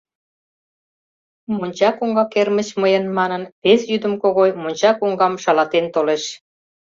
«Монча коҥга кермыч мыйын» манын, вес йӱдым Когой монча коҥгам шалатен толеш.